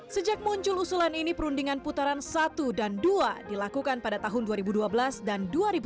sejak muncul usulan ini perundingan putaran satu dan dua dilakukan pada tahun dua ribu dua belas dan dua ribu dua puluh